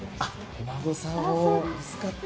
お孫さんを預かって。